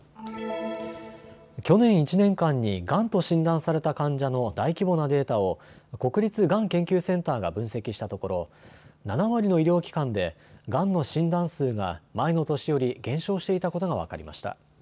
去年１年間にがんと診断された患者の大規模なデータを国立がん研究センターが分析したところ、７割の医療機関でがんの診断数が前の年より減少していたことが分かりました。